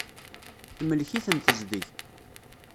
Temlek-iten tezdeg.